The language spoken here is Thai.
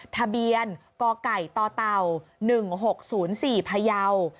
ทะเบียนกไก่ต่อเต่า๑๖๐๔พยาว